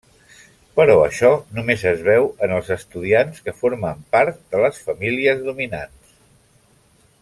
Però això, només es veu en els estudiants que formen part de les famílies dominants.